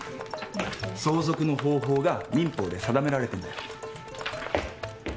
相続の方法が民法で定められてんだよ。